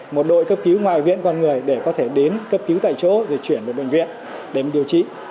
một đội cấp cứu ngoại viện con người để có thể đến cấp cứu tại chỗ để chuyển được bệnh viện để điều trị